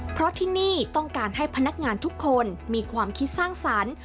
เพราะที่นี่ต้องการให้พนักงานทุกคนมีความคิดสร้างสรรค์